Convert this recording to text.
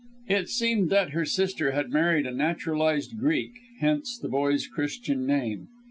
It seemed that her sister had married a naturalised Greek, hence the boy's Christian name.